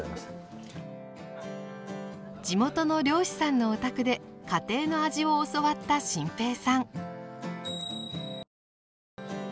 地元の漁師さんのお宅で家庭の味を教わった心平さん。